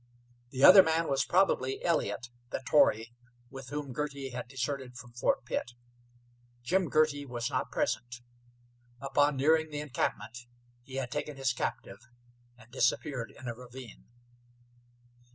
The other man was probably Elliott, the Tory, with whom Girty had deserted from Fort Pitt. Jim Girty was not present. Upon nearing the encampment he had taken his captive and disappeared in a ravine.